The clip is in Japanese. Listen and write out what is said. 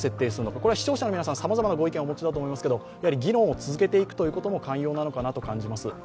これは視聴者の皆さん、さまざまなご意見をお持ちだと思いますが、議論を続けていくことも肝要なのかなと感じます。